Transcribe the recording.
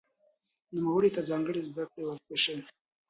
نوموړي ته ځانګړې زده کړې ورکړل شوې.